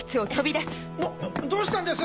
どうしたんです？